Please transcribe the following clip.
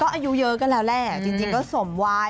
อายุเยอะก็แล้วแหละจริงก็สมวาย